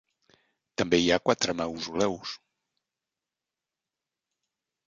També hi ha quatre mausoleus.